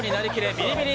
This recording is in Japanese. ビリビリ